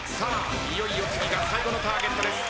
いよいよ次が最後のターゲットです。